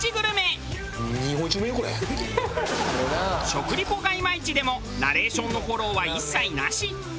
食リポがイマイチでもナレーションのフォローは一切なし。